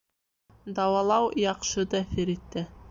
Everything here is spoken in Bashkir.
Дауалау яҡшы тәьҫир итте